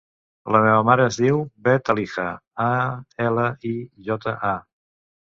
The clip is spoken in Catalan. La meva mare es diu Bet Alija: a, ela, i, jota, a.